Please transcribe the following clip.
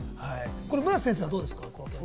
村瀬先生は、どうですか？